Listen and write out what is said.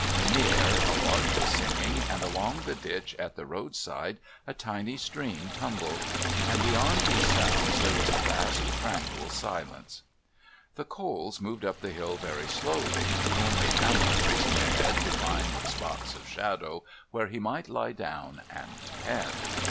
In the air a lark was singing, and along the ditch at the road side a tiny stream tumbled. And beyond these sounds there was a vast tranquil silence. The Coles moved up the hill very slowly, only Hamlet racing ahead to find spots of shadow where he might lie down and pant.